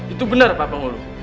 itu benar pak penghulu